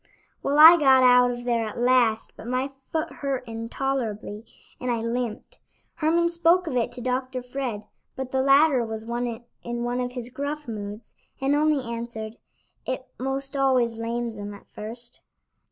Well, I got out of there at last, but my foot hurt intolerably, and I limped. Herman spoke of it to Dr. Fred, but the latter was in one of his gruff moods, and only answered: "It 'most always lames 'em at first."